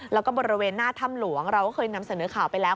แล้วก็บริเวณหน้าถ้ำหลวงเราก็เคยนำเสนอข่าวไปแล้ว